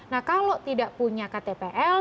nah kalau tidak punya ktpl